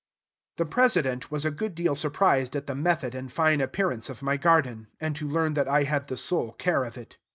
The President was a good deal surprised at the method and fine appearance of my garden, and to learn that I had the sole care of it.